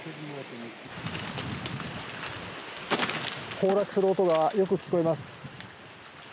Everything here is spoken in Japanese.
崩落する音がよく聞こえます。